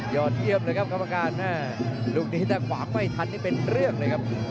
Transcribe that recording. อดเยี่ยมเลยครับกรรมการแม่ลูกนี้ถ้าขวางไม่ทันนี่เป็นเรื่องเลยครับ